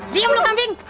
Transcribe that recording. diam lu kambing